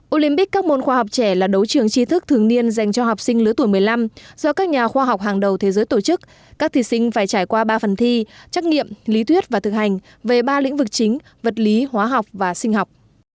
olympic các môn khoa học trẻ là đấu trường chi thức thường niên dành cho học sinh lứa tuổi một mươi năm do các nhà khoa học hàng đầu thế giới tổ chức các thí sinh phải trải qua ba phần thi trắc nghiệm lý thuyết và thực hành về ba lĩnh vực chính vật lý hóa học và sinh học